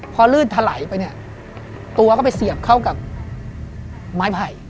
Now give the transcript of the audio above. พอลื่นถลายไปเนี่ยตัวก็ไปเสียบเข้ากับไม้ไผ่